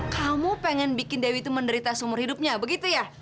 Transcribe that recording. kamu pengen bikin dewi itu menderita seumur hidupnya begitu ya